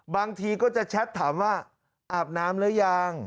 บางทีก็จะแชทถามว่าอาบน้ำหรือยัง